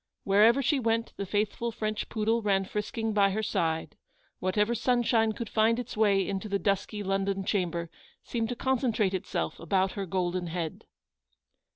Wher ever she went the faithful French poodle ran frisking by her side ; whatever sunshine could find its way into the dusky London chamber seemed to concentrate itself about her golden head.